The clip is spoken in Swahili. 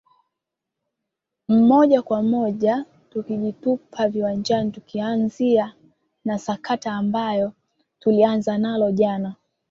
m moja kwa moja tukijitupa viwanjani tukianzia na sakata ambayo tulianza nalo jana